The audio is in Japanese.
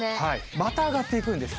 また上がっていくんです。